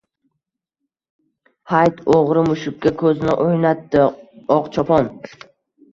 – Hayt! – o‘g‘ri mushukka ko‘zini o‘ynatdi Oqchopon